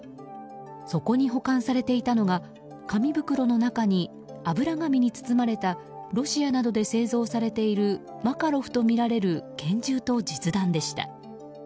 そこに保管されていたのが紙袋の中に油紙に包まれたロシアなどで製造されているマカロフとみられる拳銃と実弾でした。